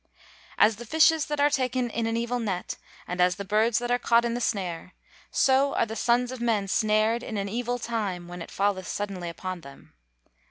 [Verse: "As the fishes that are taken in an evil net, and as the birds that are caught in the snare; so are the sons of men snared in an evil time, when it falleth suddenly upon them."